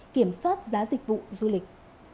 kiểm soát giá dịch vụ du lịch